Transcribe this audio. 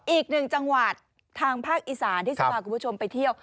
อีกหนึ่งจังหวัดทางภาคอีสานที่จะพาคุณผู้ชมไปเที่ยว